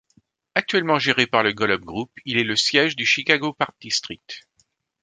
Actuellement géré par le Golub Group, il est le siège du Chicago Park District.